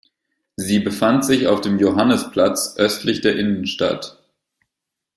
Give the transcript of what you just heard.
Sie befand sich auf dem Johannisplatz, östlich der Innenstadt.